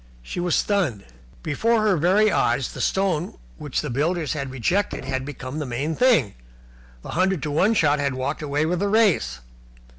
She was stunned. Before her very eyes the stone which the builders had rejected had become the main thing, the hundred to one shot had walked away with the race.